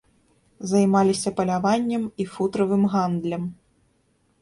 Займаліся паляваннем і футравым гандлем.